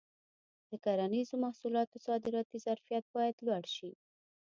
د کرنیزو محصولاتو صادراتي ظرفیت باید لوړ شي.